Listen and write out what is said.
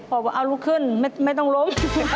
บอกว่าเอาลุกขึ้นไม่ต้องล้ม